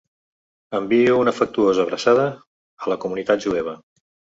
Envio una afectuosa abraçada a la comunitat jueva.